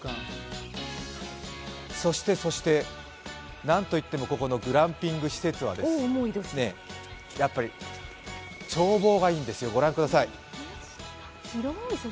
そしてそしてなんといってもここのグランピング施設は眺望がいいんですよ、ご覧ください。